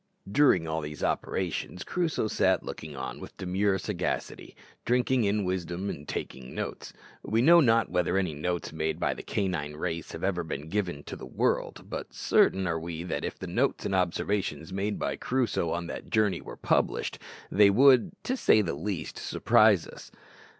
During all these operations Crusoe sat looking on with demure sagacity drinking in wisdom and taking notes. We know not whether any notes made by the canine race have ever been given to the world, but certain are we that, if the notes and observations made by Crusoe on that journey were published, they would, to say the least, surprise us!